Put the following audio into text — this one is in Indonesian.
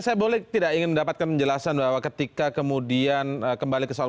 baik tapi saya boleh tidak ingin mendapatkan penjelasan bahwa ketika kemudian kembali ke salonja